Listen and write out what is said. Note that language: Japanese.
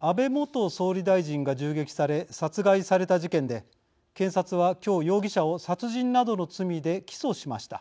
安倍元総理大臣が銃撃され殺害された事件で検察は今日、容疑者を殺人などの罪で起訴しました。